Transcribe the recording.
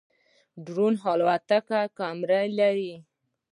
ډرون الوتکې کمرې لري